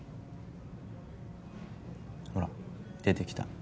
ほら出てきた。